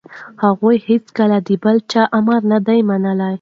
هغوی هیڅکله د بل چا امر نه دی منلی.